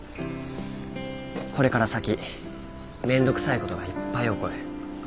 これから先面倒くさい事がいっぱい起こる。